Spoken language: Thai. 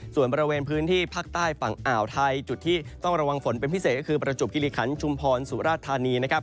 ส่วนบริเวณพื้นที่ภาคใต้ฝั่งอ่าวไทยจุดที่ต้องระวังฝนเป็นพิเศษก็คือประจบกิริขันชุมพรสุราธานีนะครับ